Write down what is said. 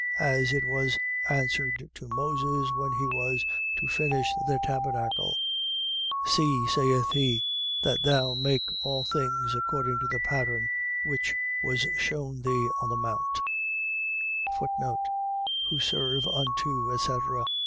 As it was answered to Moses, when he was to finish the tabernacle: See (saith he) that thou make all things according to the pattern which was shewn thee on the mount. Who serve unto, etc. ..